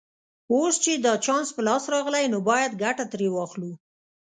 اوس چې دا چانس په لاس راغلی نو باید ګټه ترې واخلو